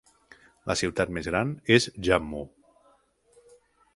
La ciutat més gran es Jammu.